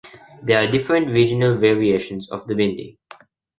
There are different regional variations of the bindi.